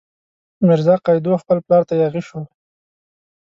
میرزا قیدو خپل پلار ته یاغي شو.